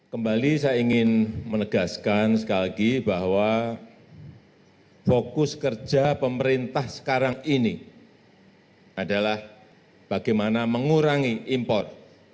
kembali saya ingin menegaskan sekali lagi bahwa fokus kerja pemerintah sekarang ini adalah bagaimana mengurangi impor